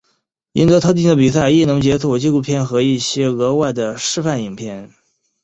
赢得特定的比赛亦能解锁纪录片和一些额外的示范影片。